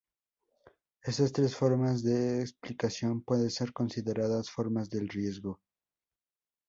Estas tres formas de explicación pueden ser consideradas formas del riesgo.